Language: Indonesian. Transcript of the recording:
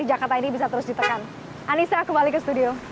dan bisa kembali ke studio